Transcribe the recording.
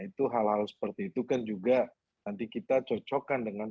itu hal hal seperti itu kan juga nanti kita cocokkan dengan